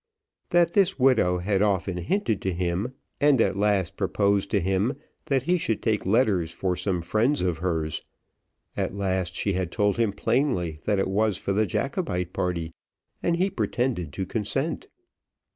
That this widow had often hinted to him, and at last proposed to him, that he should take letters for some friends of hers at last she had told him plainly that it was for the Jacobite party, and he pretended to consent.